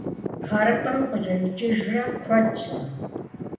ГъэрыпӀэм укъызэрикӀыжрэ куэд щӀа?